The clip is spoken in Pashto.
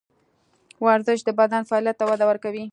ورزش د بدن فعالیت ته وده ورکوي.